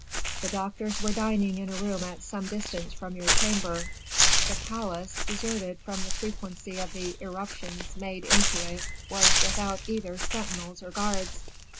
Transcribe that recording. The doctors were dining in a room at some distance from your chamber; the palace, deserted from the frequency of the irruptions made into it, was without either sentinels or guards.